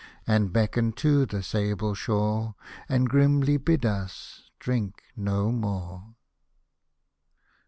And beckon to the sable shore, And grimly bid us — drink no more